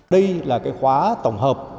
đây là cái khóa tổng hợp